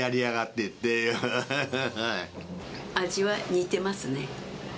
味は似てますね。